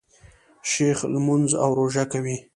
شیخ لمونځ او روژه کوي.